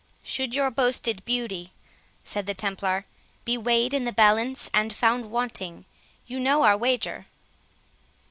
"Should your boasted beauty," said the Templar, "be weighed in the balance and found wanting, you know our wager?"